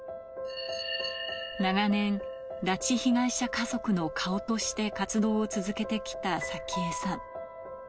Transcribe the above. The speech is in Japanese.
長年、拉致被害者家族の顔として活動を続けてきた早紀江さん。